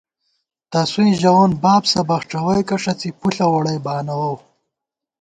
تسُوئیں ژَوون بابسہ بخڄَوئیکہ ݭڅی پُݪہ ووڑَئی بانَووؤ